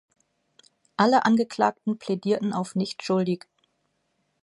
Alle Angeklagten plädierten auf „nicht schuldig“.